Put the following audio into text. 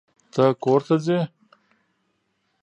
ته کور ته ځې.